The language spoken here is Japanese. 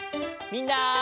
みんな。